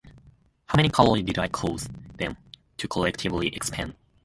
How many calories did I cause them to collectively expend?